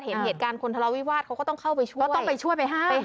จะเห็นเหตุการณ์คนทะเลาะวิวาสก็ต้องเข้าไปช่วย